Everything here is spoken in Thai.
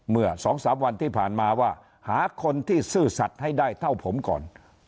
เมื่อ๒๓วันที่ผ่านมาว่าหาคนที่ซื่อสัตว์ให้ได้เท่าผมก่อน